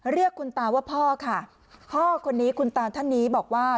เรียกคุณตาว่าพ่อค่ะพ่อคนนี้คุณตาท่านนี้บอกว่า